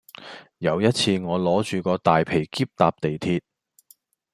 有一次我攞住個大皮喼搭地鐵